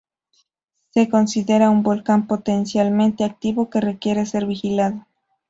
Se considera un volcán potencialmente activo que requiere ser vigilado.